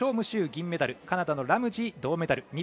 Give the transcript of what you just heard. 秋、銀メダルカナダのラムジー、銅メダル。